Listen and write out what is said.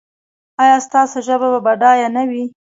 ایا ستاسو ژبه به بډایه نه وي؟